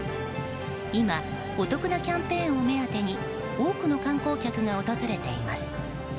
今、お得なキャンペーンを目当てに多くの観光客が訪れています。